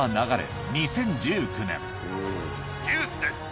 ニュースです。